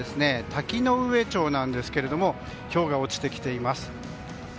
滝上町なんですがひょうが落ちてきています。